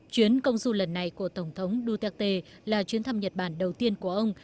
chuyến công du lần này của tổng thống duterte là chuyến thăm nhật bản đầu tiên của ông